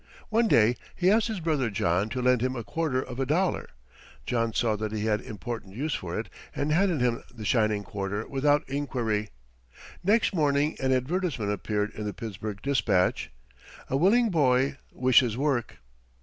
One day he asked his brother John to lend him a quarter of a dollar. John saw that he had important use for it and handed him the shining quarter without inquiry. Next morning an advertisement appeared in the "Pittsburgh Dispatch": "A willing boy wishes work."